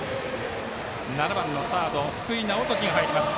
７番のサード、福井直睦が入ります。